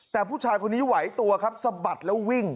แต่ผู้ชายคนนี้ไหวตัวครับสะบัดแล้ววิ่ง